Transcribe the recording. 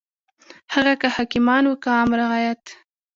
هغه که حاکمان وو که عام رعیت.